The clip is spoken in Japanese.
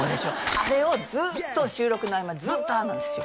あれをずっと収録の合間ずっとああなんですよ